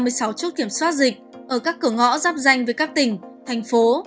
trong ba mươi sáu chốt kiểm soát dịch ở các cửa ngõ dắp danh với các tỉnh thành phố